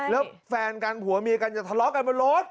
แล้วแฟนกันผัวเมียกันจะทะเลาะกันบนรถ